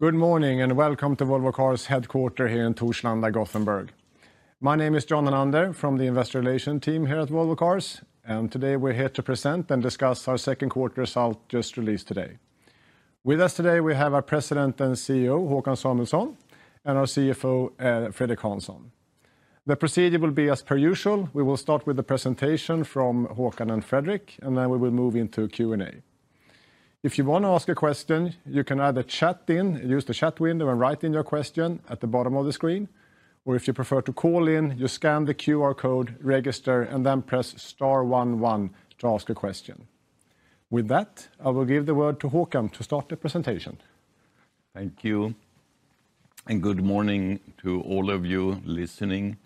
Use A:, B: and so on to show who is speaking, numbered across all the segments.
A: Good morning and welcome to Volvo Cars headquarters here in Torslanda, Gothenburg. My name is John Hernander from the Investor Relations team here at Volvo Cars AB. Today we're here to present and discuss our second quarter result just released today. With us today we have our President and CEO Håkan Samuelsson and our CFO Fredrik Hansson. The procedure will be as per usual. We will start with the presentation from Håkan and Fredrik, and then we will move into Q&A. If you want to ask a question, you can either use the chat window and write in your question at the bottom of the screen, or if you prefer to call in, you scan the QR code, register, and then press star one one to ask a question. With that, I will give the word to Håkan to start the presentation.
B: Thank you and good morning to all of you listening.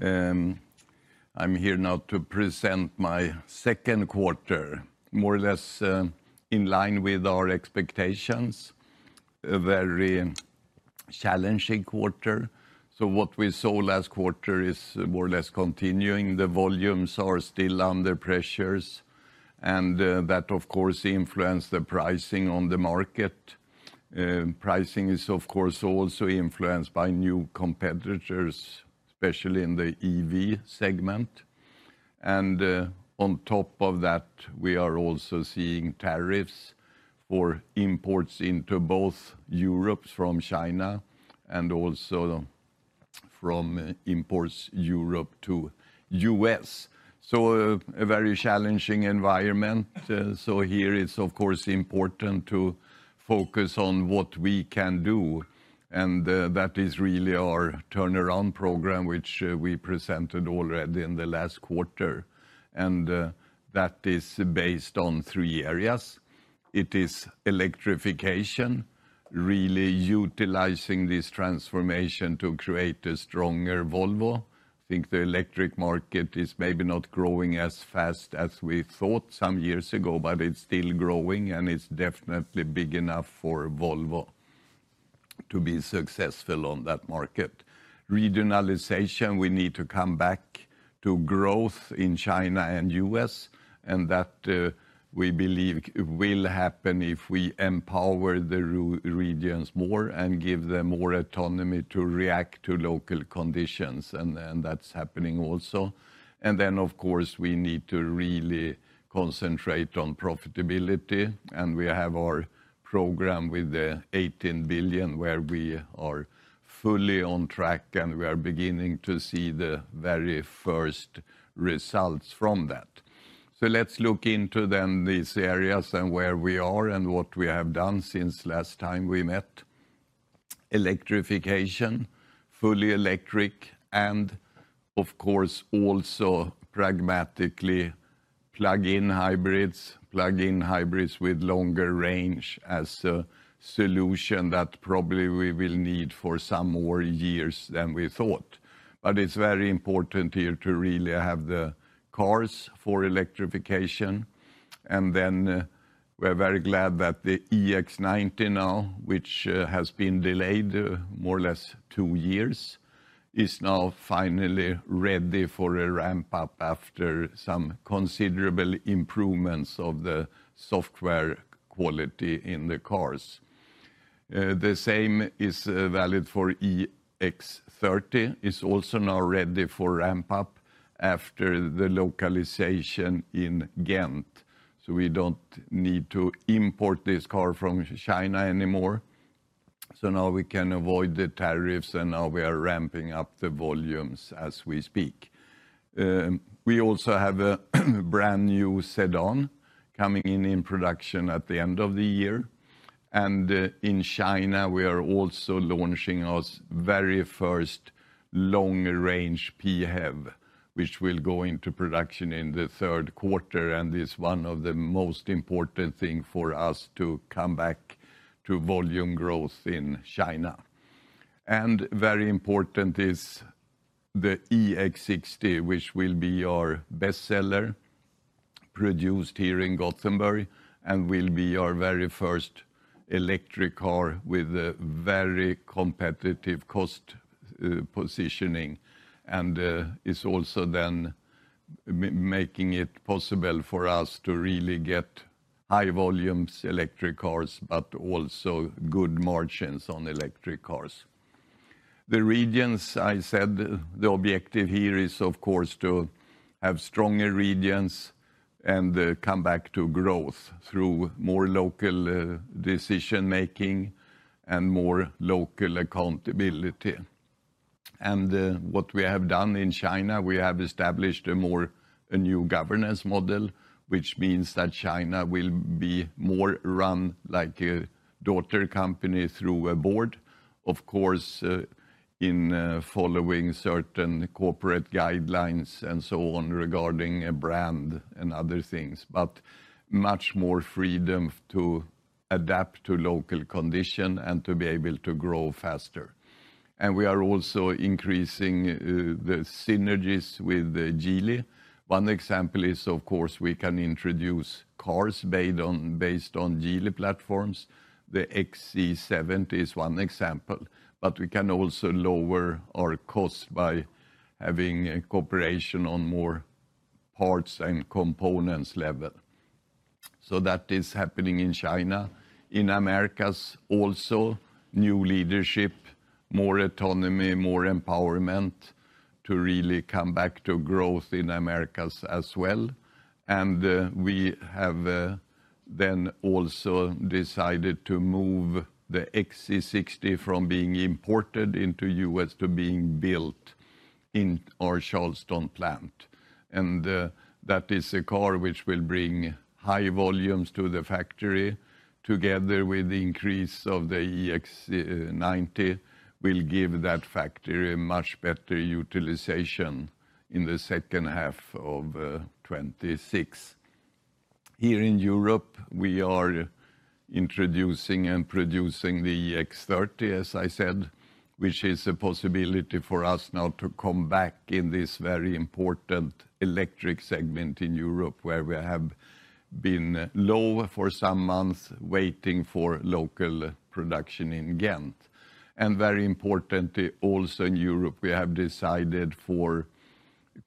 B: I'm here now to present my speaker second quarter, more or less in line with our expectations, a very challenging quarter. What we saw last quarter is more or less continuing. The volumes are still under pressures and that of course influenced the pricing on the market. Pricing is of course also influenced by new competitors, especially in the EV segment. On top of that we are also seeing tariffs for imports into both Europe from China and also from imports Europe to U.S. A very challenging environment. Here it's of course important to focus on what we can do and that is really our turnaround program which we presented already in the last quarter. That is based on three areas. It is electrification really utilizing this transformation to create a stronger Volvo. I think the electric market is maybe not growing as fast as we thought some years ago, but it's still growing and it's definitely, definitely big enough for Volvo to be successful on that market. Regionalization, we need to come back to growth in China and US and that we believe will happen if we empower the regions more and give them more autonomy to react to local conditions. That's happening also. We need to really concentrate on profitability. We have our program with the 18 billion where we are fully on track. We are beginning to see the very first results from that. Let's look into then these areas and where we are and what we have done since last time we met. Electrification, fully electric and of course also pragmatically plug-in hybrids, plug-in hybrids with longer range as a solution that probably we will need for some more years than we thought. It's very important here to really have the cars for electrification. We're very glad that the EX90 now, which has been delayed more or less two years, is now finally ready for a ramp up after some considerable improvements of the software quality in the cars. The same is valid for EX30, is also now ready for ramp up after the localization in Ghent. We don't need to import this car from China anymore. Now we can avoid the tariffs. Now we are ramping up the volumes as we speak. We also have a brand new sedan coming in in production at the end of the year. In China we are also launching our very first long-range PHEV which will go into production in the third quarter. This is one of the most important things for us, to come back to volume growth in China. Very important is the EX60, which will be our bestseller produced here in Gothenburg and will be our very first electric car with a very competitive cost positioning. It is also then making it possible for us to really get high volumes of electric cars, but also good margins on electric cars. The regions, I said, the objective here is of course to have stronger regions and come back to growth through more local decision making and more local accountability. What we have done in China, we have established a new governance model, which means that China will be more run like a daughter company through a board, of course, following certain corporate guidelines and so on regarding the brand and other things, but much more freedom to adapt to local conditions and to be able to grow faster. We are also increasing the synergies with Geely. One example is we can introduce cars based on Geely platforms. The XC70 is one example. We can also lower our cost by having cooperation on more parts and components level. That is happening in China. In Americas, also new leadership, more autonomy, more empowerment to really come back to growth in Americas as well. We have also decided to move the XC60 from being imported into the U.S. to being built in our Charleston plant. That is a car which will bring high volumes to the factory. Together with the increase of the EX90, it will give that factory much better utilization in second half of 2026. Here in Europe, we are introducing and producing the EX30, as I said, which is a possibility for us now to come back in this very important electric segment in Europe, where we have been low for some months waiting for local production in Ghent. Very importantly also in Europe, we have decided for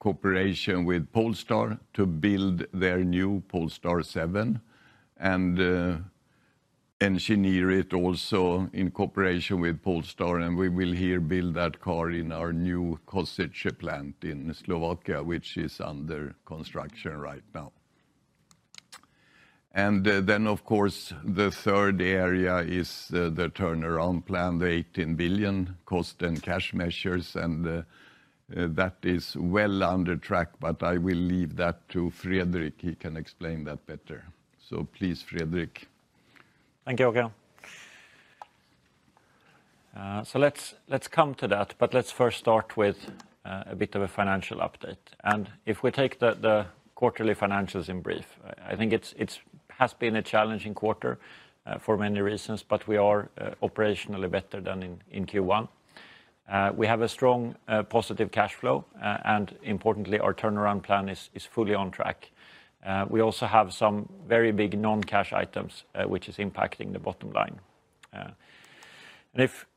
B: cooperation with Polestar to build their new Polestar 7 and engineer it also in cooperation with Polestar. We will build that car in our new Košice plant in Slovakia, which is under construction right now. The third area is the turnaround plan, the 18 billion cost and cash measures, and that is well under track. I will leave that to Fredrik. He can explain that better. Please, Fredrik,
C: thank you. Let's come to that, but let's first start with a bit of a financial update. If we take the quarterly financials in brief, I think it has been a challenging quarter for many reasons, but we are operationally better than in Q1. We have a strong positive cash flow, and importantly, our turnaround plan is fully on track. We also have some very big non-cash items which are impacting the bottom line.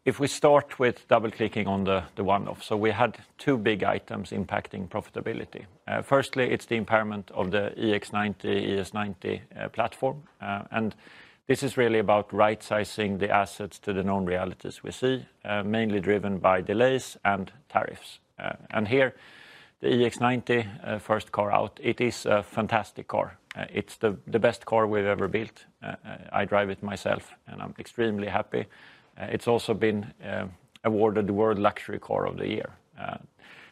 C: If we start with double clicking on the one-off, we had two big items impacting profitability. Firstly, it's the impairment of the EX90/ES90 platform. This is really about right-sizing the assets to the known realities we see, mainly driven by delays and tariffs. The EX90, first car out, is a fantastic car. It's the best car we've ever built. I drive it myself and I'm extremely happy. It's also been awarded the World Luxury Car of the Year.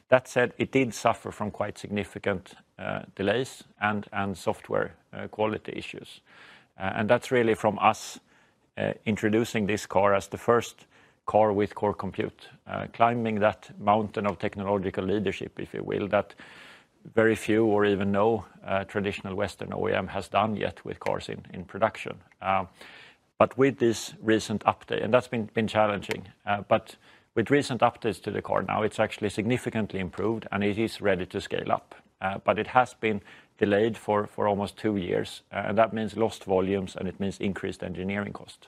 C: That said, it did suffer from quite significant delays and software quality issues. That's really from us introducing this car as the first car with core compute, climbing that mountain of technological leadership, if you will, that very few or even no traditional western OEM has done yet with cars in production. With this recent update, and that's been challenging, but with recent updates to the car, now it's actually significantly improved and it is ready to scale up, but it has been delayed for almost two years and that means lost volumes and it means increased engineering cost.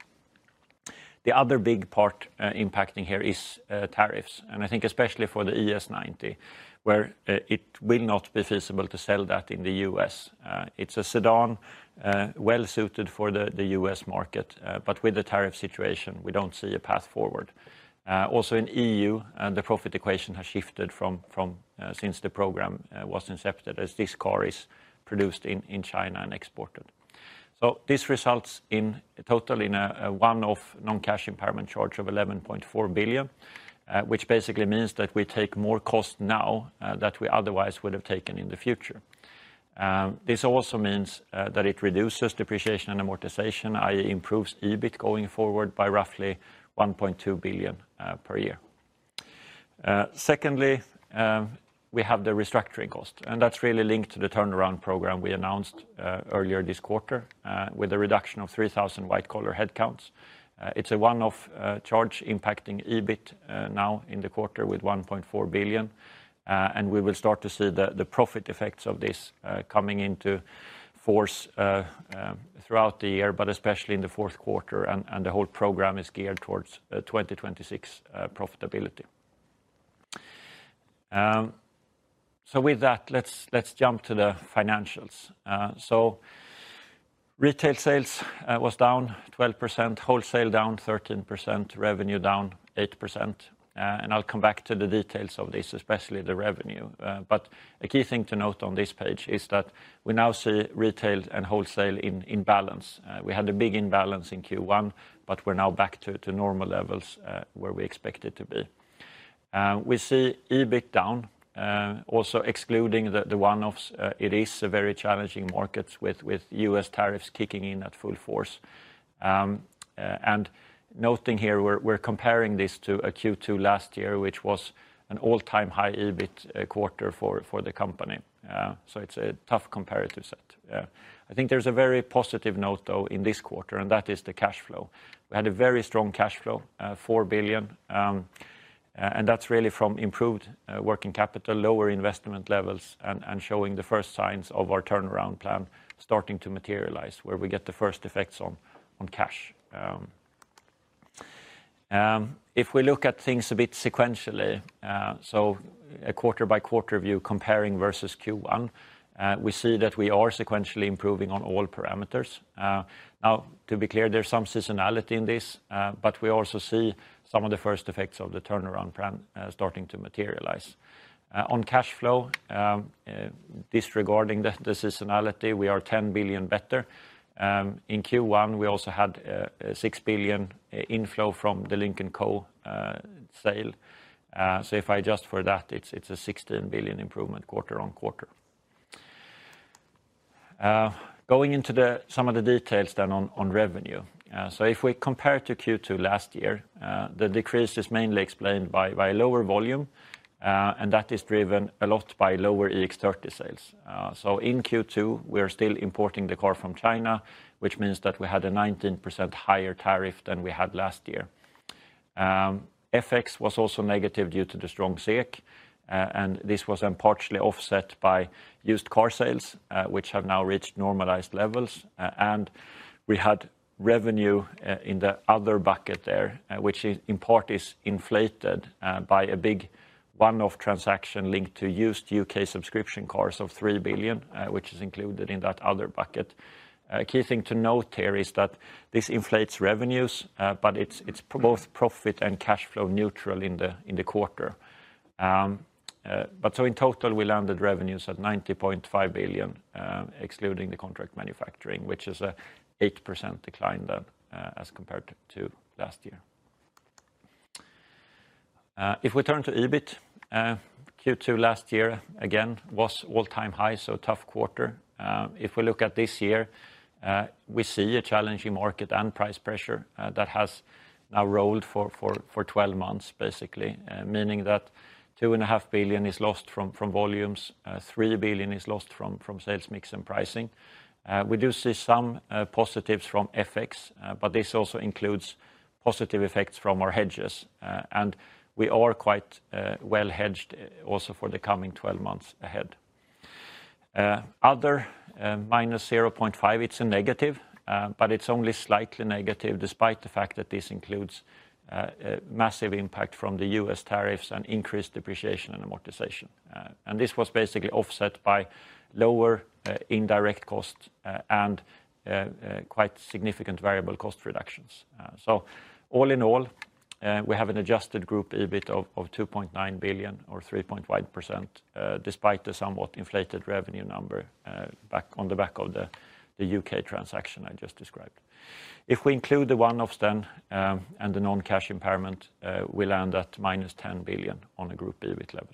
C: The other big part impacting here is tariffs. I think especially for the ES90, where it will not be feasible to sell that in the U.S. It's a sedan well suited for the U.S. market, but with the tariff situation we don't see a path forward. Also, in E.U., the profit equation has shifted since the program was incepted, as this car is produced in China and exported. This results in total in a one-off non-cash impairment charge of 11.4 billion, which basically means that we take more cost now that we otherwise would have taken in the future. This also means that it reduces depreciation and amortization, that is, improves EBIT going forward by roughly 1.2 billion per year. Secondly, we have the restructuring cost, and that's really linked to the turnaround program we announced earlier this quarter with a reduction of 3,000 white collar headcounts. It's a one-off charge impacting EBIT now in the quarter with 1.4 billion. We will start to see the profit effects of this coming into force throughout the year, especially in the fourth quarter. The whole program is geared towards 2026 profitability. With that, let's jump to the financials. Retail sales was down 12%, wholesale down 13%, revenue down 8%. I'll come back to the details of this, especially the revenue. A key thing to note on this page is that we now see retail and wholesale in balance. We had a big imbalance in Q1, but we're now back to normal levels where we expected to be. We see EBIT down also, excluding the one-offs. It is a very challenging market with U.S. tariffs kicking in at full force. Noting here, we're comparing this to Q2 last year, which was an all-time high EBIT quarter for the company. It's a tough comparative set. I think there's a very positive note in this quarter, and that is the cash flow. We had a very strong cash flow, 4 billion. That's really from improved working capital, lower investment levels, and showing the first signs of our turnaround plan starting to materialize where we get the first effects on cash. If we look at things a bit sequentially, a quarter-by-quarter view comparing versus Q1, we see that we are sequentially improving on all parameters. To be clear, there's some seasonality in this, but we also see some of the first effects of the turnaround plan starting to materialize on cash flow. Disregarding the seasonality, we are 10 billion better in Q1. We also had 6 billion inflow from the Lynk & Co sale. If I adjust for that, it's a 16 billion improvement quarter on quarter. Going into some of the details then on revenue, if we compare to Q2 last year, the decrease is mainly explained by lower volume, and that is driven a lot by lower EX30 sales. In Q2, we are still importing the car from China, which means that we had a 19% higher tariff than we had last year. FX was also negative due to the strong SEK, and this was partially offset by used car sales, which have now reached normalized levels. We had revenue in the other bucket there, which in part is inflated by a big one-off transaction linked to used U.K. subscription cars of 3 billion, which is included in that other bucket. A key thing to note here is that this inflates revenues, but it's both profit and cash flow neutral in the quarter. In total, we landed revenues at 90.5 billion excluding the contract manufacturing, which is an 8% decline as compared to last year. If we turn to EBIT, Q2 last year again was all-time high, so tough quarter. If we look at this year, we see a challenging market and price pressure that has now rolled for 12 months, basically meaning that 2.5 billion is lost from volumes, 3 billion is lost from sales mix and pricing. We do see some positives from FX, but this also includes positive effects from our hedges, and we are quite well hedged also for the coming 12 months ahead. Other at -0.5 is a negative, but it's only slightly negative despite the fact that this includes massive impact from the U.S. tariffs and increased depreciation and amortization. This was basically offset by lower indirect cost and quite significant variable cost reductions. All in all, we have an adjusted group EBIT of 2.9 billion or 3.1% despite the somewhat inflated revenue number on the back of the U.K. transaction I just described. If we include the one-offs and the non-cash impairment, we land at [minus] 10 billion on a group pivot level.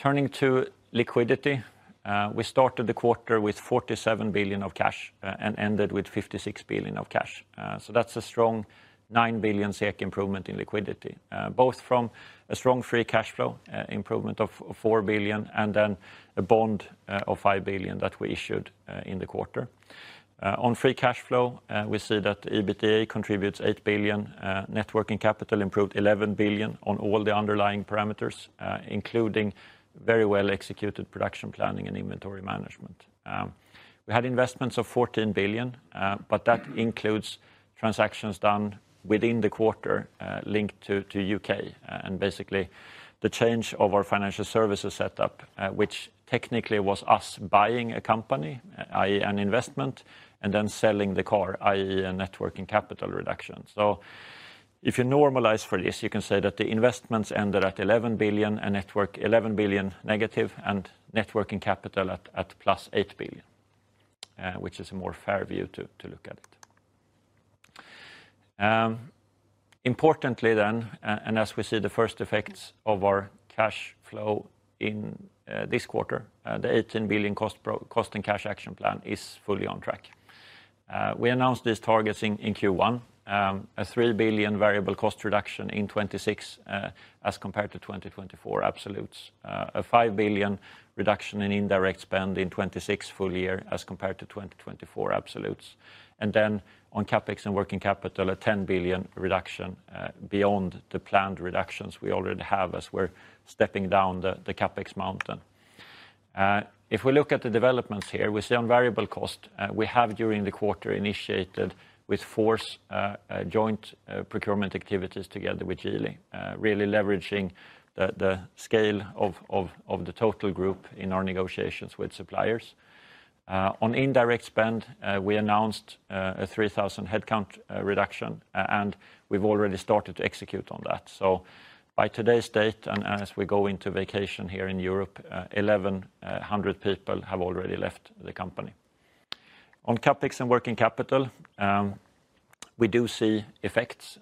C: Turning to liquidity, we started the quarter with 47 billion of cash and ended with 56 billion of cash. That's a strong 9 billion SEK improvement in liquidity, both from a strong free cash flow improvement of 4 billion and then a bond of 5 billion that we issued in the quarter. On free cash flow, we see that EBITDA contributes 8 billion, net working capital improved 11 billion on all the underlying parameters, including very well executed production planning and inventory management. We had investments of 14 billion, but that includes transactions done within the quarter linked to U.K. and basically the change of our financial services setup, which technically was U.S. buying a company that is an investment and then selling the car that is a net working capital reduction. If you normalize for this, you can say that the investments ended at 11 billion negative and net working capital at [plus] 8 billion, which is a more fair view to look at it. Importantly, as we see the first effects of our cash flow in this quarter, the 18 billion cost and cash action plan is fully on track. We announced these targets in Q1: a 3 billion variable cost reduction in 2026 as compared to 2024 absolutes, a 5 billion reduction in indirect spend in 2026 full year as compared to 2024 absolutes. On CapEx and working capital, a 10 billion reduction beyond the planned reductions we already have, as we're stepping down the CapEx mountain. If we look at the developments here with the unvariable cost, we have during the quarter initiated with force joint procurement activities together with Geely, leveraging the scale of the total group in our negotiations with suppliers on indirect spend. We announced a 3,000 headcount reduction and we've already started to execute on that. By today's date, as we go into vacation here in Europe, 1,100 people have already left the company. On CapEx and working capital, we do see effects.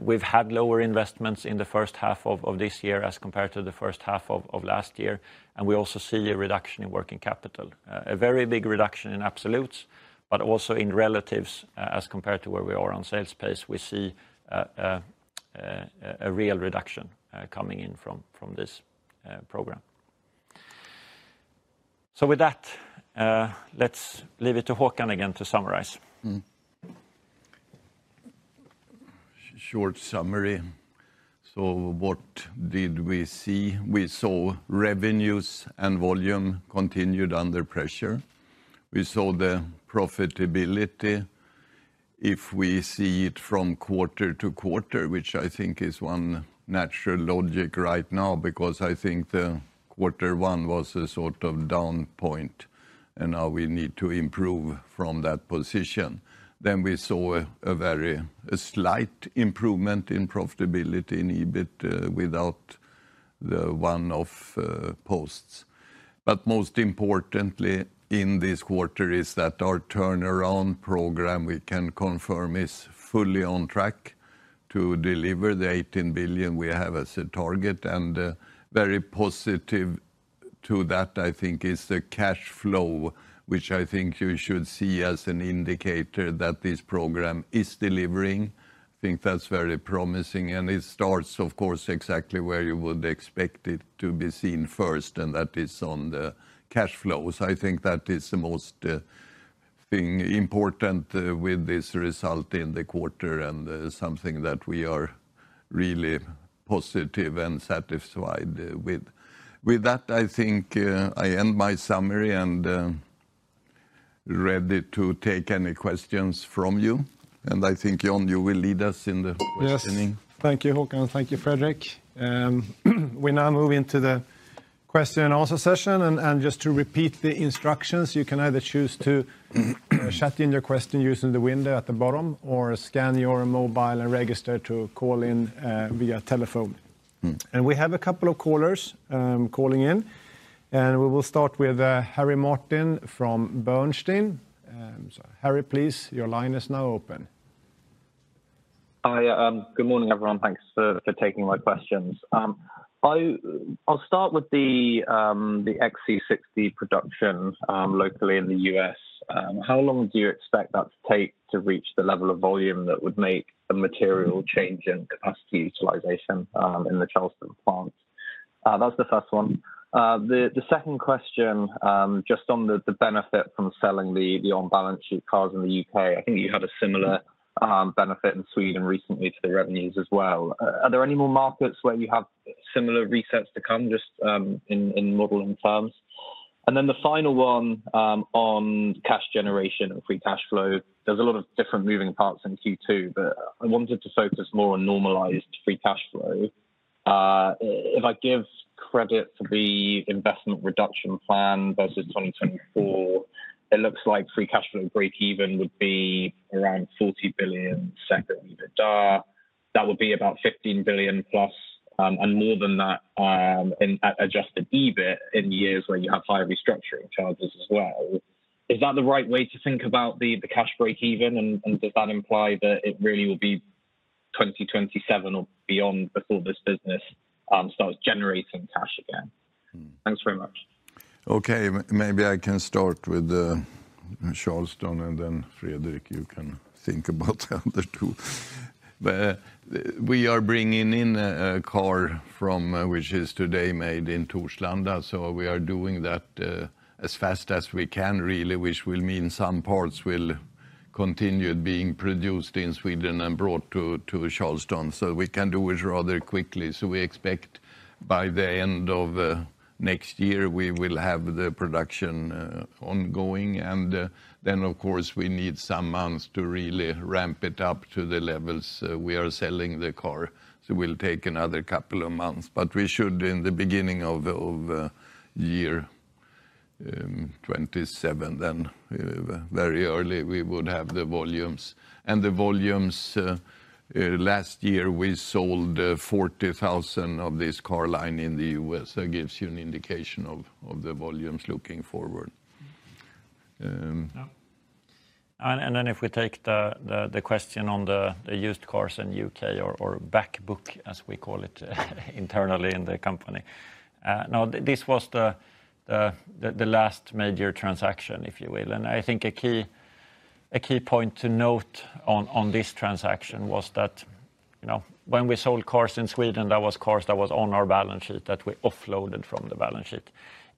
C: We've had lower investments in the first half of this year as compared to the first half of last year, and we also see a reduction in working capital, a very big reduction in absolutes, but also in relatives as compared to where we are on sales pace. We see a real reduction coming in from this program. With that, let's leave it to Håkan. Again, to summarize.
B: Short summary. What did we see? We saw revenues and volume continued under pressure. We saw the profitability, if we see it from quarter to quarter, which I think is one natural logic right now, because I think the quarter one was a sort of down point and now we need to improve from that position. We saw a very slight improvement in profitability in EBIT without the one-off posts. Most importantly in this quarter is that our turnaround program, we can confirm, is fully on track to deliver the 18 billion we have as a target. Very positive to that, I think, is the cash flow, which I think you should see as an indicator that this program is delivering. I think that's very promising. It starts, of course, exactly where you would expect it to be seen first, and that is on the cash flows. I think that is the most important with this result in the quarter and something that we are really positive and satisfied with. With that, I think I end my summary and am ready to take any questions from you. I think John, you will lead us in the questioning.
A: Yes, thank you, Håkan. Thank you, Fredrik. We now move into the question and answer session. Just to repeat the instructions, you can either choose to submit your question using the window at the bottom or scan your mobile and register to call in via telephone. We have a couple of callers calling in. We will start with Harry Martin from Bernstein. Harry, please. Your line is now open.
D: Hi, good morning everyone. Thanks for taking my questions. I'll start with the XC60 production locally in the U.S. How long do you expect that to take to reach the level of volume that would make a material change in capacity utilization in the Charleston plant? That's the first one. The second question, just on the benefit from selling the on balance sheet cars in the U.K., I think you had a similar benefit in Sweden recently to the revenues as well. Are there any more markets where you have similar resets to come? Just in modeling terms. The final one on cash generation and free cash flow. There's a lot of different moving parts in Q2, but I wanted to focus more on normalized free cash flow. If I give credit to the Investment Reduction Plan versus 2024, it looks like free cash flow break even would be around 40 billion, second [EBITDA], that would be about 15 billion plus and more than that adjusted EBIT in years where you have higher restructuring charges as well. Is that the right way to think about the cash break even and does. That imply that it really will be. 2027 or beyond before this business starts generating cash again, thanks very much.
B: Okay, maybe I can start with Charleston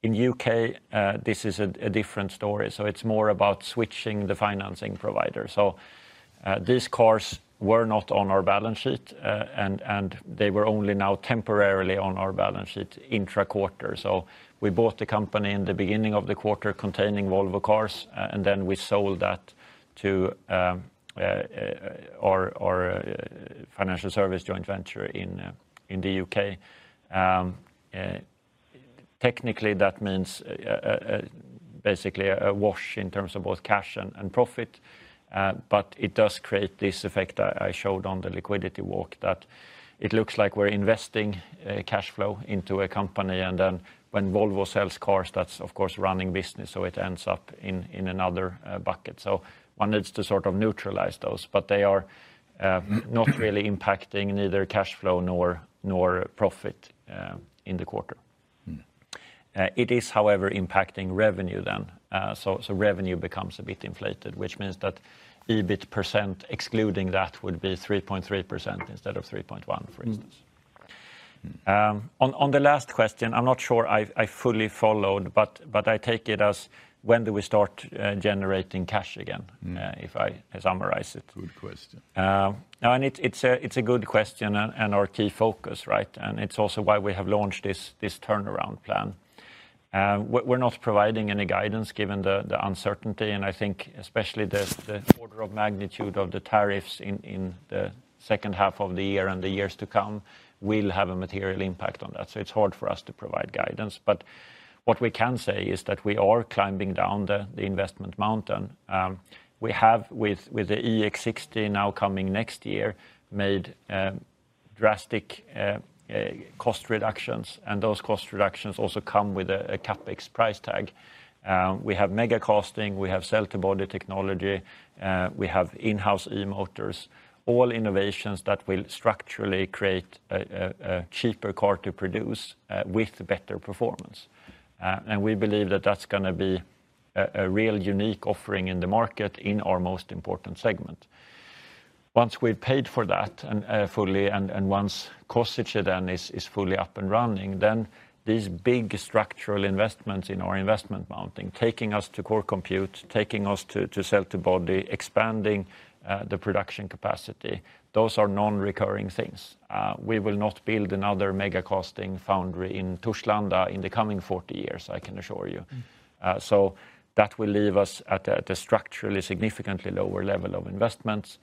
C: In the U.K., this is a different story. It is more about switching the financing provider. These cars were not on our balance sheet and they were only now temporarily on our balance sheet intra quarter. We bought the company in the beginning of the quarter containing Volvo cars and then we sold that to. Our. Financial service joint venture in the U.K.. Technically that means basically a wash in terms of both cash and profit. It does create this effect I showed on the liquidity walk that it looks like we're investing cash flow into a company and then when Volvo sells cars that's of course running business, so it ends up in another bucket. One needs to sort of neutralize those. They are not really impacting neither cash flow nor profit in the quarter. It is, however, impacting revenue then. Revenue becomes a bit inflated, which means that EBIT percent excluding that would be 3.3% instead of 3.1%. For instance, on the last question, I'm not sure I fully followed, but I take it as when do we start generating cash again? If I summarize it.
B: Good question.
C: It's a good question and our key focus. Right. It's also why we have launched this turnaround plan. We're not providing any guidance given the uncertainty, and I think especially the order of magnitude of the tariffs in the second half of the year and the years to come will have a material impact on that. It's hard for us to provide guidance. What we can say is that we are climbing down the investment mountain. We have, with the EX60 now coming next year, made drastic cost reductions, and those cost reductions also come with a CapEx price tag. We have megacasting, we have Cell to Body technology, we have in-house E Motors, all innovations that will structurally create a cheaper car to produce with better performance. We believe that that's going to be a real unique offering in the market in our most important segment. Once we've paid for that fully and once Košice then is fully up and running, these big structural investments in our investment mountain, taking us to core compute, taking us to Cell to Body, expanding the production capacity, those are non-recurring things. We will not build another megacasting foundry in Torslanda in the coming 40 years, I can assure you. That will leave us at a structurally significantly lower level of investments,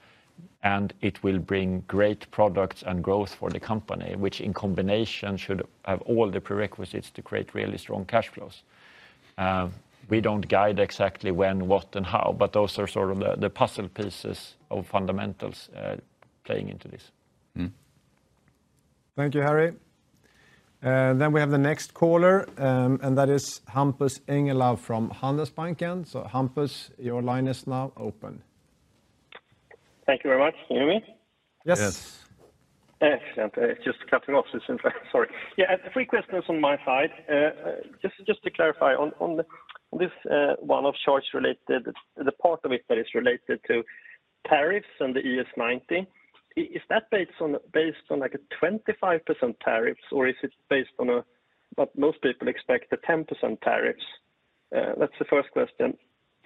C: and it will bring great products and growth for the company, which in combination should have all the prerequisites to create really strong cash flows. We don't guide exactly when, what, and how, but those are sort of the puzzle pieces of fundamentals playing into this.
A: Thank you, Harry. We have the next caller, and that is Hampus Engellau from Handelsbanken. Hampus, your line is now open.
E: Thank you very much. Can you hear me?
A: Yes,
E: just cutting off this in fact. Sorry, yeah, three questions on my side. This is just to clarify on this one offshore, it's related, the part of it that is related to tariffs and the ES90, is that based on like a 25% tariff or is it based on what most people expect, the 10% tariff? That's the first question.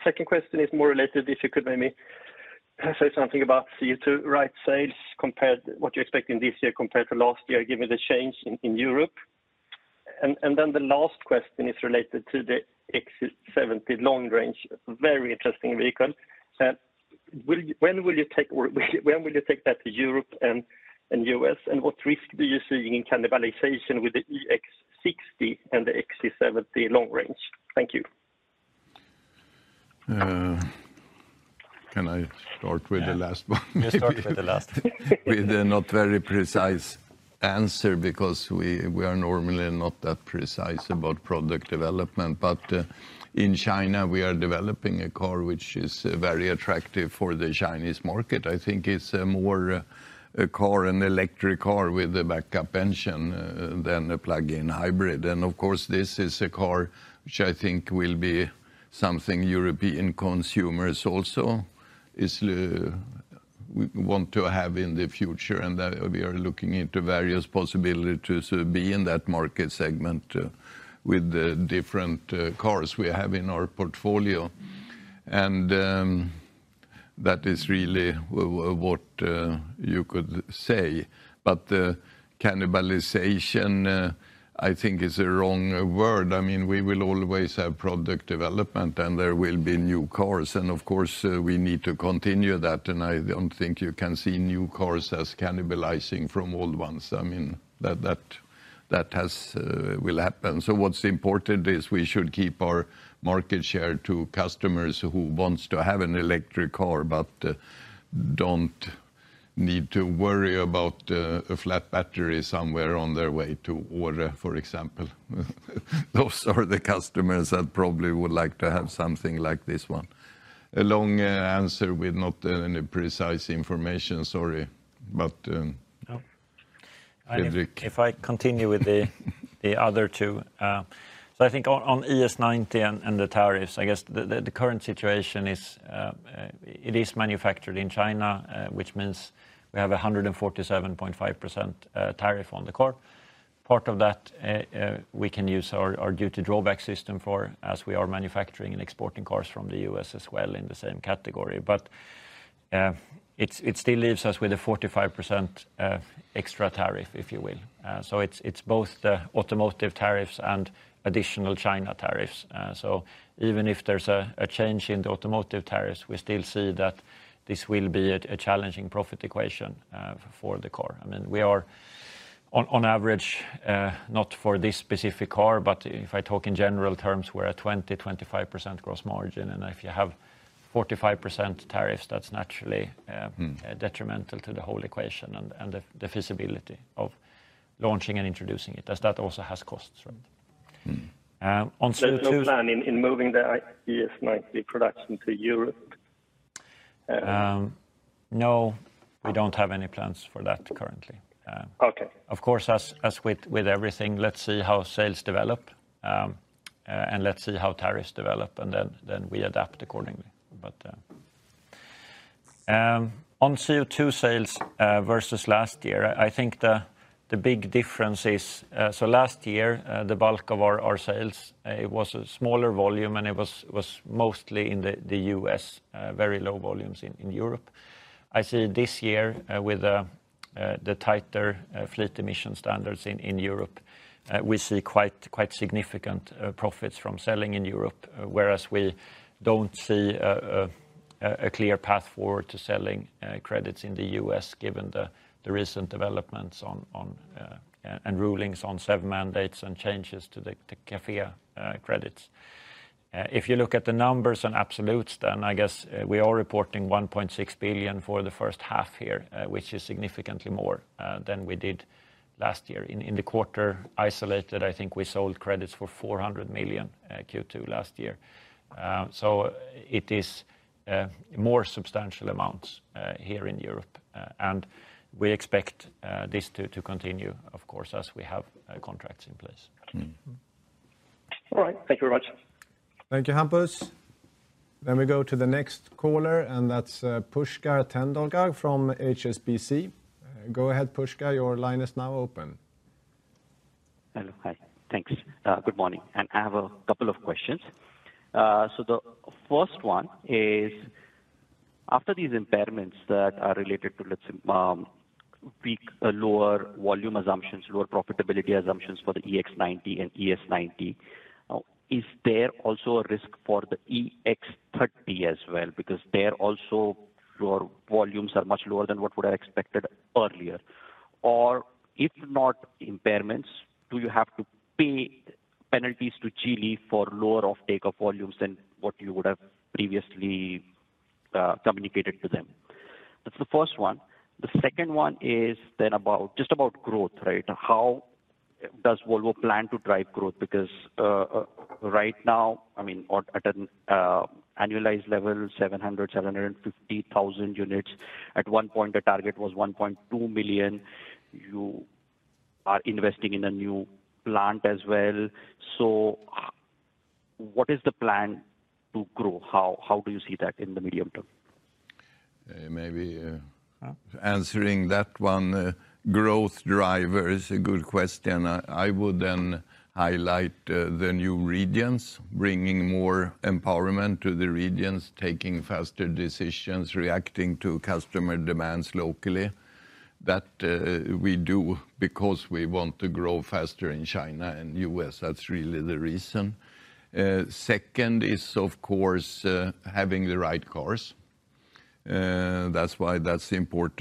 E: Second question is more related, if you could maybe say something about CO2 credit sales, right, sales compared to what you're expecting this year compared to last year, given the change in Europe. The last question is related to the [XC70] long-range. Very interesting vehicle. When will you take that to Europe and U.S. and what risk do you see in cannibalization with the EX60 and the XC70 long-range? Thank you.
B: Can I start with the last one?
A: You start with the last
B: with not very precise answer because we are normally not that precise about product development. In China we are developing a car which is very attractive for the Chinese market. I think it's more a car, an electric car with a backup engine than a plug-in hybrid. Of course, this is a car which I think will be something European consumers also will want to have in the future. We are looking into various possibilities to be in that market segment with the different cars we have in our portfolio. That is really what you could say. The cannibalization I think is a wrong word. We will always have product development and there will be new cars and of course we need to continue that. I don't think you can see new cars as cannibalizing from old ones. That will happen. What's important is we should keep our market share to customers who want to have an electric car but don't need to worry about a flat battery somewhere on their way to order, for example. Those are the customers that probably would like to have something like this one. A long answer with not any precise information. Sorry.
C: If I continue with the other two. I think on ES90 and the tariffs, I guess the current situation is it is manufactured in China, which means we have 147.5% tariff on the car. Part of that we can use our duty drawback system for as we are manufacturing and exporting cars from the U.S. as well in the same category. It still leaves us with a 45% extra tariff, if you will. It is both automotive tariffs and additional China tariffs. Even if there's a change in the automotive tariffs, we still see that this will be a challenging profit equation for the car. I mean we are on average, not for this specific car, but if I talk in general terms, we're at 20%-25% gross margin. If you have 45% tariffs, that's naturally detrimental to the whole equation and the feasibility of launching and introducing it, as that also has costs.
E: There's no plan in moving the ES90 production to Europe?
C: No, we don't have any plans for that currently.
E: Okay.
C: Of course, as with everything, let's see how sales develop and let's see how tariffs develop and then we adapt accordingly. On CO2 credit sales versus last year, I think the big difference is last year the bulk of our sales, it was a smaller volume and it was mostly in the U.S., very low volumes in Europe. I see this year with the tighter fleet emission standards in Europe, we see quite significant profits from selling in Europe, whereas we don't see a clear path forward to selling credits in the U.S. given the recent developments and rulings on ZEV mandates and changes to the CAFE credits. If you look at the numbers on absolutes, then I guess we are reporting 1.6 billion for the first half here, which is significantly more than we did last year in the quarter isolated. I think we sold credits for 400 million Q2 last year. It is more substantial amounts here in Europe, and we expect this to continue, of course, as we have contracts in place.
E: All right, thank you very much.
A: Thank you, Hampus. We go to the next caller, and that's Pushkar Tendolkar from HSBC. Go ahead, Pushkar. Your line is now open.
F: Hello. Hi. Thanks. Good morning. I have a couple of questions. The first one is after these impairments that are related to, let's say, lower volume assumptions, lower profitability assumptions for the EX90 and ES90, is there also a risk for the EX30 as well? Because your volumes are much lower than what would have been expected earlier. If not impairments, do you have to pay penalties to Geely for lower offtake of volumes than what you would have previously communicated to them? That's the first one. The second one is about growth, right? How does Volvo plan to drive growth? Right now, at an annualized level, 700,000-750,000 units. At one point the target was 1.2 million. You are investing in a new plant as well. What is the plan to grow? How do you see that in the medium term?
B: Maybe answering that one growth driver is a good question. I would then highlight the new regions bringing more empowerment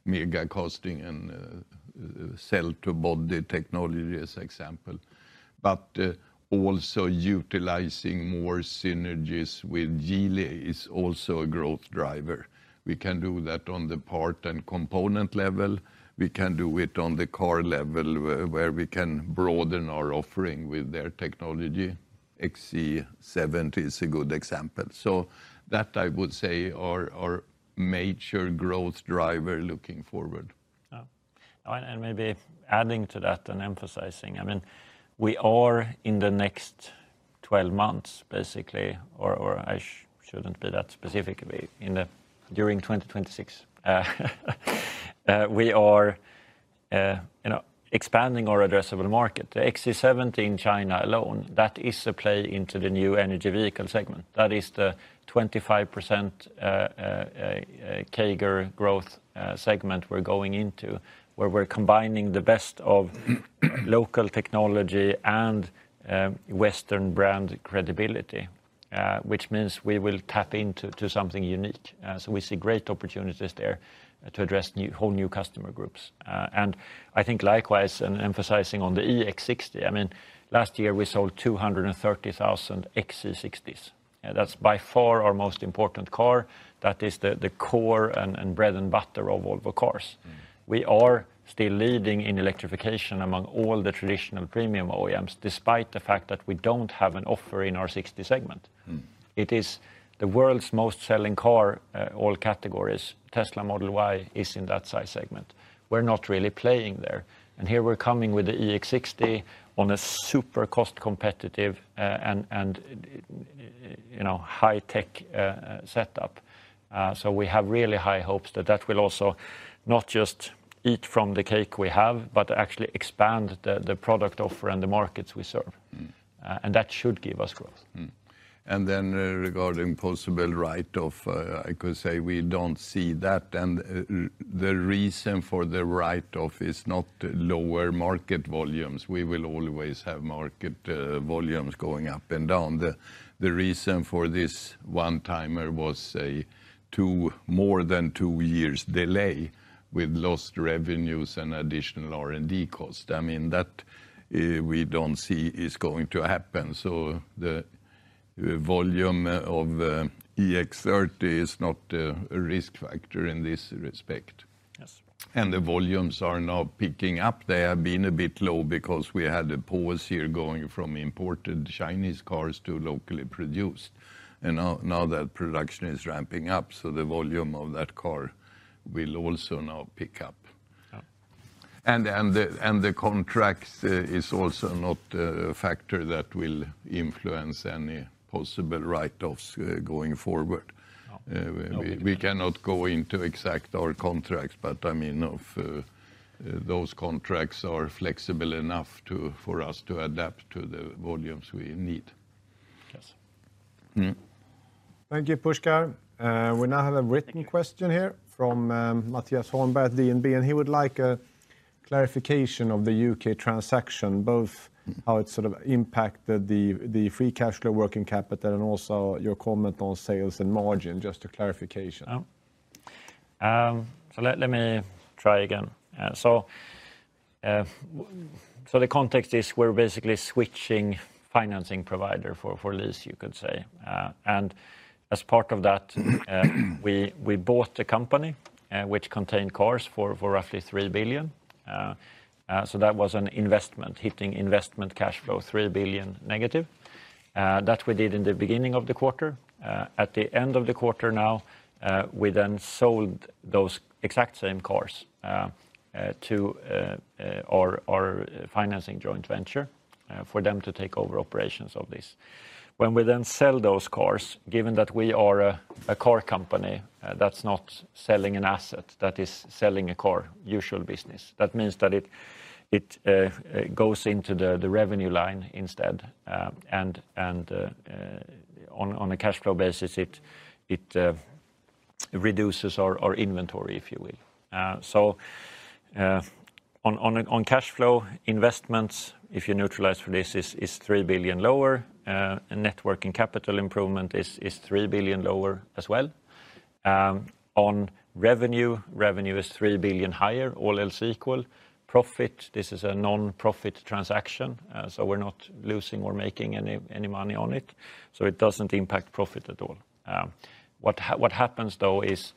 B: to the regions, taking faster decisions, reacting to customer demands locally. That we do because we want to grow faster in China and U.S. That's really the reason. Second is of course having the right cars. That's why that's important to roll them out. Especially the EX60s of course definitely growth factor for us. Thirdly it is also to be better on the cost side. That's of course one reason to the way to come down in cost to have a better design. I think EX60 is designed for a much lower cost from start, megacasting and cell-to-body technology as example. Also utilizing more synergies with Geely is also a growth driver. We can do that on the part and component level. We can do it on the car level where we can broaden our offering with their technology. XC70 is a good example so that I would say our major growth driver. Looking forward to
C: and maybe adding to that and emphasizing, we are in the next 12 months basically, or I shouldn't be that specific. During 2026 we are expanding our addressable market, the XC70 in China alone. That is a play into the new energy vehicle segment. That is the 25% CAGR growth segment we're going into where we're combining the best of local technology and western brand credibility, which means we will tap into something unique. We see great opportunities there to address whole new customer groups. I think likewise emphasizing on the EX60, last year we sold 230,000 XC60s. That's by far our most important car. That is the core and bread and butter of Volvo Cars. We are still leading in electrification among all the traditional premium OEMs despite the fact that we don't have an offer in our 60 segment. It is the world's most selling car, all categories. Tesla Model Y is in that size segment. We're not really playing there. Here we're coming with the EX60 on a super cost competitive and, you know, high tech setup. We have really high hopes that that will also not just eat from the cake we have but actually expand the product offer and the markets we serve, and that should give us growth.
B: Regarding possible write-off, I could say we don't see that. The reason for the write-off is not lower market volumes. We will always have market volumes going up and down. The reason for this one-timer was more than two years' delay with lost revenues and additional R&D cost. I mean that we don't see is going to happen. The volume of EX30 is not a risk factor in this respect. The volumes are now picking up. They have been a bit low because we had a pause here going from imported Chinese cars to locally produced, and now that production is ramping up, the volume of that car will also now pick up. The contract is also not a factor that will influence any possible write-offs going forward. We cannot go into exact details of our contracts, but those contracts are flexible enough for us to adapt to the volumes we need.
A: Thank you, Pushkar. We now have a written question here from Matthias Hornberg, DNB, and he would like a clarification of the U.K. transaction, both how it sort of impacted the free cash flow, working capital, and also your comment on sales and margin. Just to clarification.
C: Let me try again. The context is we're basically switching financing provider for this, you could say. As part of that, we bought the company which contained cars for roughly 3 billion. That was an investment hitting investment cash flow 3 billion negative that we did in the beginning of the quarter, at the end of the quarter. We then sold those exact same cars to our financing joint venture for them to take over operations of this. When we then sell those cars, given that we are a car company, that's not selling an asset, that is selling a car, usual business, that means that goes into the revenue line instead. On a cash flow basis, it reduces our inventory, if you will. On cash flow investments, if you neutralize for this, it is 3 billion lower. Net working capital improvement is 3 billion lower as well. On revenue, revenue is 3 billion higher. All else equal, profit. This is a non-profit transaction, so we're not losing or making any money on it. It doesn't impact profit at all. What happens though is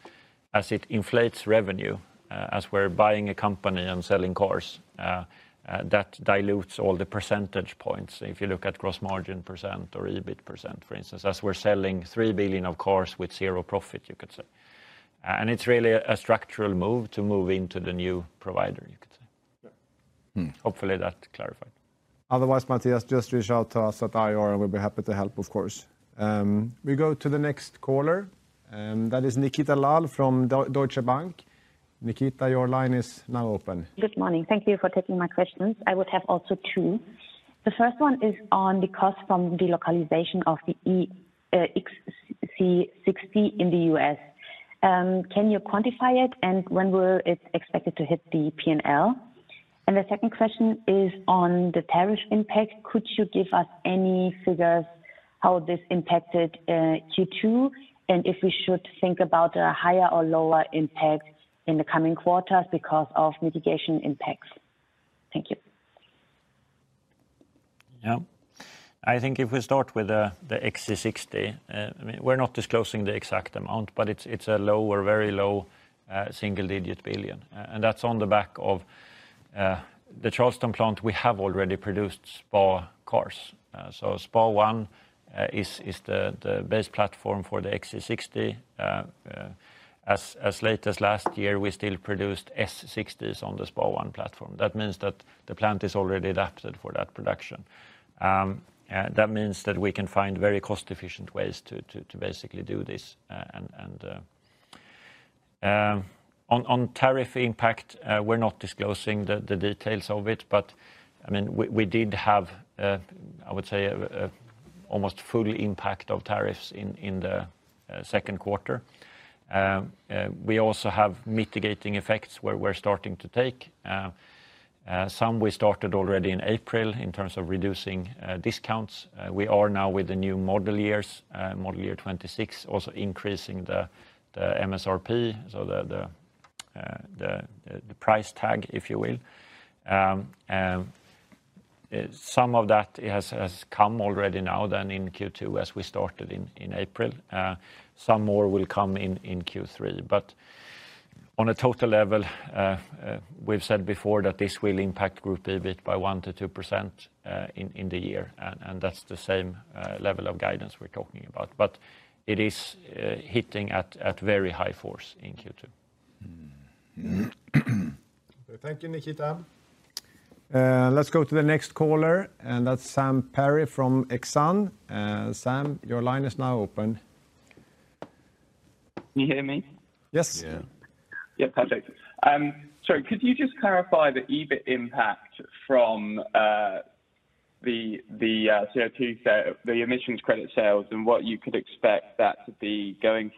C: as it inflates revenue as we're buying a company and selling cars, that dilutes all the percentage points. If you look at gross margin percent or EBIT percent for instance, as we're selling 3 billion of cars with zero profit, you could say, and it's really a structural move to move into the new provider, you could say. Hopefully that clarified.
A: Otherwise, Matthias, just reach out to us at IR and we'll be happy to help. Of course, we go to the next caller. That is Nikita Lal from Deutsche Bank. Nikita, your line is now open.
G: Good morning. Thank you for taking my questions. I would have also two. The first one is on the cost from delocalization of the [E]. XC60 In the U.S. Can you quantify it and when will you expect it to hit the P&L? The second question is on the tariff impact. Could you give us any figures how this impacted Q2? Should we think about a higher or lower impact in the coming quarters because of mitigation impacts? Thank you.
C: Yeah, I think if we start with the XC60, we're not disclosing the exact amount, but it's a low or very low single digit billion. That's on the back of the Charleston plant. We have already produced SPA cars. SPA1 is the base platform for the XC60. As late as last year, we still produced S60s on the SPA1 platform. That means that the plant is already adapted for that production. That means that we can find very cost efficient ways to basically do this. On tariff impact, we're not disclosing the details of it, but I mean, we did have, I would say, almost full impact of tariffs in the second quarter. We also have mitigating effects where we're starting to take some. We started already in April in terms of reducing discounts. We are now with the new model years, model year 2026, also increasing the MSRP. The price tag, if you will, some of that has come already now than in Q2 as we started in April. Some more will come in Q3, but on a total level, we've said before that this will impact group a bit by 1%-2% in the year. That's the same level of guidance we're talking about, but it is hitting at very high force in Q2.
A: Thank you, Nikita. Let's go to the next caller and that's Sam Perry from Exane. Sam, your line is now open.
H: Can you hear me?
A: Yes, yeah,
H: perfect. Could you just clarify the EBIT impact from the [CO2] credit sales and what you could expect that to be going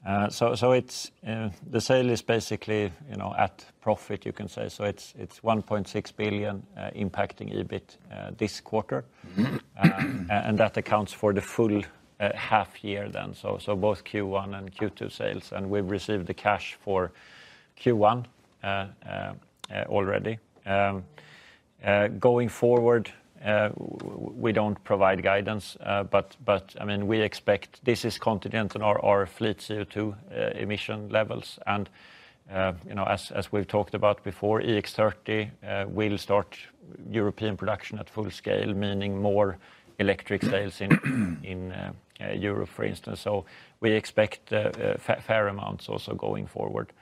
H: forwards as well? Thank you.
C: The sale is basically at profit, you can say. It is 1.6 billion impacting it a bit this quarter and that accounts for the full half year then. Both Q1 and Q2 sales, and we've received the cash for Q1 already. Going forward, we don't provide guidance, but this is contingent on our fleet CO2 emission levels. As we've talked about before, EX30 will start European production at full scale, meaning more electric sales in Europe, for instance. We expect fair amounts also going forward.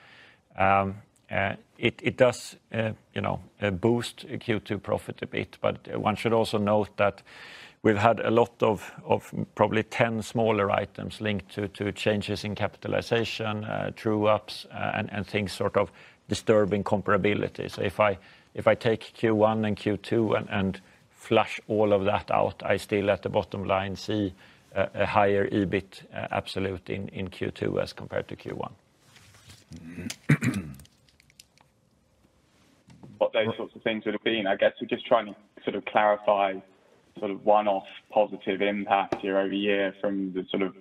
C: It does boost Q2 profit a bit. One should also note that we've had a lot of probably 10 smaller items linked to changes in capitalization, true ups and things, sort of disturbing comparability. If I take Q1 and Q2 and flush all of that out, I still at the bottom line see a higher EBIT absolute in Q2 as compared to Q1.
H: What those sorts of things would have been? I guess we're just trying to clarify one-off positive impact year-over-year from the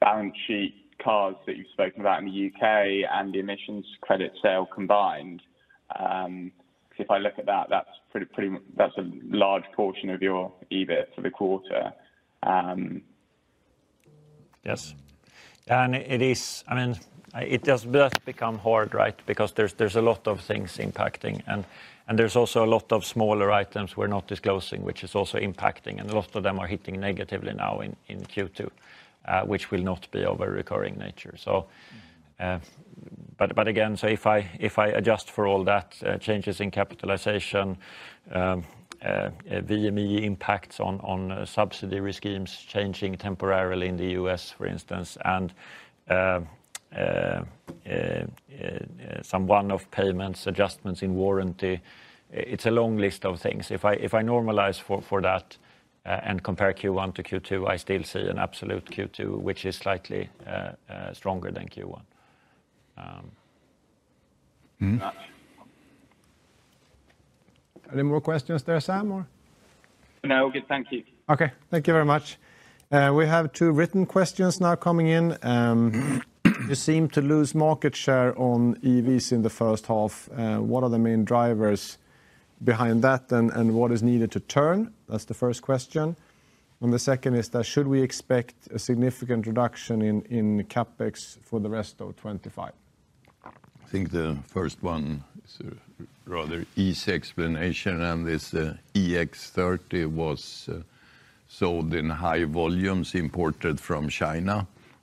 H: balance sheet cars that you've spoken about in the U.K. and the emissions credit sale combined. If I look at that, that's pretty, pretty. That's a large portion of your EBIT for the quarter.
C: Yes, it is. I mean it does become hard, right, because there's a lot of things impacting, and there's also a lot of smaller items we're not disclosing, which is also impacting, and a lot of them are hitting negatively now in Q2, which will not be of a recurring nature. If I adjust for all that, changes in capitalization, VME impacts on subsidiary schemes, changing temporarily in the U.S. for instance, and some one-off payments, adjustments in warranty, it's a long list of things. If I normalize for that and compare Q1 to Q2, I still see an absolute Q2 which is slightly stronger than Q1.
A: Any more questions there, Sam?
H: No, good, thank you.
A: Okay, thank you very much. We have two written questions now coming in. You seem to lose market share on EVs in the first half. What are the main drivers behind that, and what is needed to turn? That's the first question. The second is, should we expect a significant reduction in CapEx for the rest of 2025?
B: I think the first one is a rather easy explanation.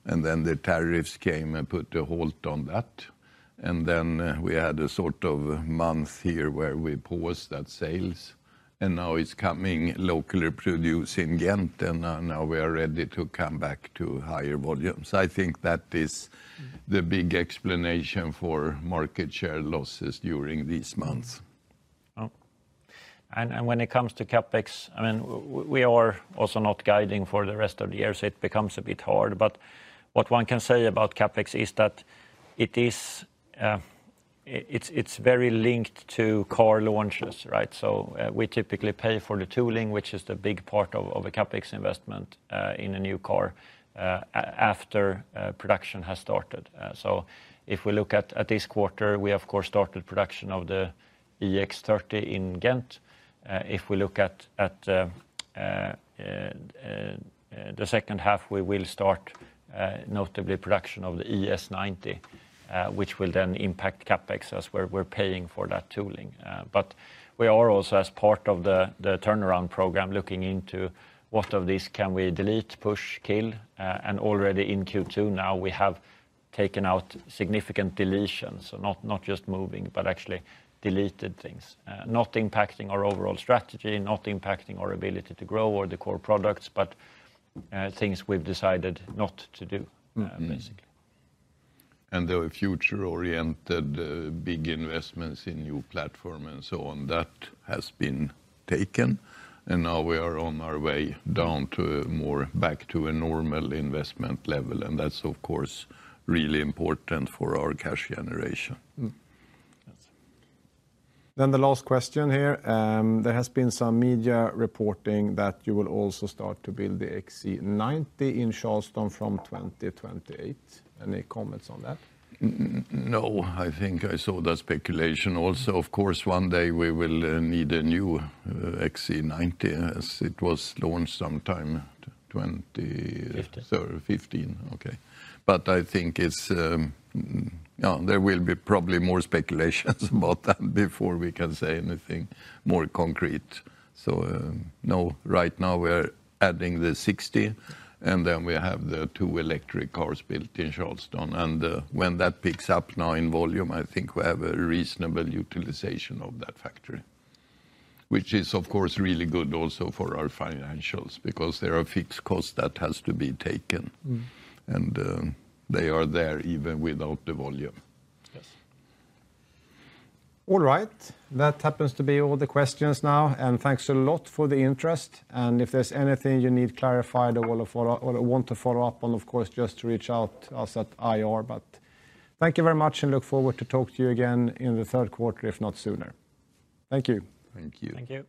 B: This EX30 was sold in high volumes, imported from China, and the tariffs came and put a halt on that. We had a sort of month here where we paused that sales, and now it's coming locally produced in Ghent, and now we are ready to come back to higher volumes. I think that is the big explanation for market share losses during these months.
C: When it comes to CapEx, we are also not guiding for the rest of the year. It becomes a bit hard. What one can say about CapEx is that it's very linked to car launches. Right. We typically pay for the tooling, which is the big part of a CapEx investment in a new car, after production has started. If we look at this quarter, we of course started production of the EX30 in Ghent. If we look at the second half, we will start notably production of the ES90, which will then impact CapEx as we're paying for that tooling. We are also as part of the turnaround program looking into what of these can we delete, push, kill. Already in Q2 now we have taken out significant deletions, not just moving but actually deleted things not impacting our overall strategy, not impacting our ability to grow or the core products, but things we've decided not to do basically.
B: The future-oriented big investments in new platform and so on that has been taken, and now we are on our way down to more back to a normal investment level. That's of course really important for our cash generation.
A: The last question here. There has been some media reporting that you will also start to build the XC90 in Charleston from 2028. Any comments on that?
B: No, I think I saw the speculation also. Of course, one day we will need a new XC90 as it was launched sometime in 2015. I think there will probably be more speculations about that before we can say anything more concrete. Right now we're adding the 60 and we have the two electric cars built in the Charleston plant. When that picks up now in volume, I think we have a reasonable utilization of that factory, which is really good also for our financials because there are fixed costs that have to be taken and they are there even without the volume.
C: Yes.
A: All right. That happens to be all the questions now, and thanks a lot for the interest. If there's anything you need clarified or want to follow up on, of course just reach out to us at IR. Thank you very much and look forward to talk to you again in the third quarter, if not sooner. Thank you,
B: thank you,
C: thank you.